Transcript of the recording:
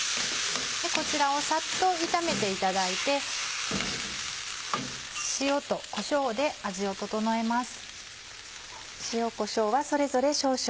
こちらをサッと炒めていただいて塩とこしょうで味を調えます。